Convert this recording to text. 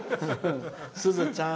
すずちゃん